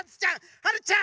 はるちゃん！